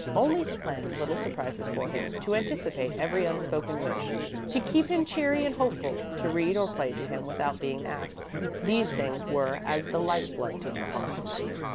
Only to plan little surprises for him, to anticipate every unspoken wish, to keep him cheery and hopeful, to read or play to him without being asked these things were as the life blood to her heart.